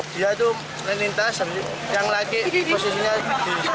dia itu melintas yang lagi posisinya di sudut motor